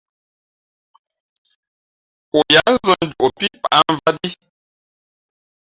O yát zᾱ njoꞌ pí pǎʼmvāt í ?